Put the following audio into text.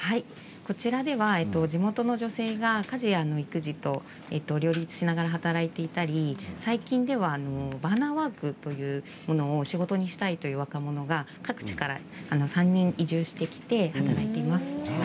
こちらでは地元の女性が家事や育児と両立しながら働いていたり最近ではバーナーワークといって各地から移住してきて働いています。